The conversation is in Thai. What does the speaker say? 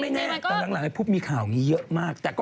ไม่แน่แต่หลังหลังผู้มีข่าวงี้เยอะมากแต่ก็